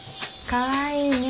かわいいね！